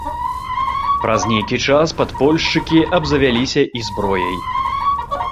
Праз нейкі час падпольшчыкі абзавяліся і зброяй.